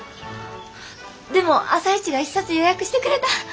でも朝市が１冊予約してくれた！